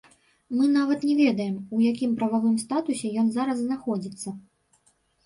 Мы нават не ведаем, у якім прававым статусе ён зараз знаходзіцца.